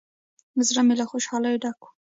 زړه مې له خوشالۍ ډک و.